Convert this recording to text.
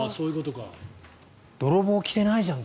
泥棒が来ていないじゃん